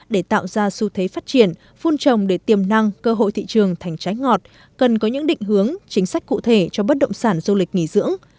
để tạo ra xu thế phát triển phun trồng để tiềm năng cơ hội thị trường thành trái ngọt cần có những định hướng chính sách cụ thể cho bất động sản du lịch nghỉ dưỡng